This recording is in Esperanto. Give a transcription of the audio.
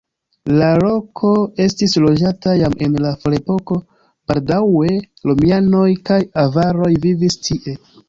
La loko estis loĝata jam en la ferepoko, baldaŭe romianoj kaj avaroj vivis tie.